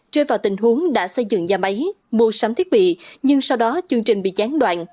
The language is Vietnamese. rơi vào tình huống đã xây dựng nhà máy mua sắm thiết bị nhưng sau đó chương trình bị gián đoạn